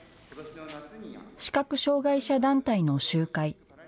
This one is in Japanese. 視覚障害者団体の集会。